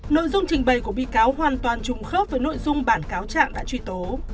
nội dung trình bày của bị cáo hoàn toàn trùng khớp với nội dung bản cáo trạng đã truy tố